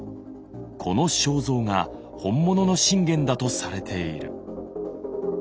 この肖像が本物の信玄だとされている。